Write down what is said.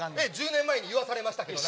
１０年前に言わされましたけど。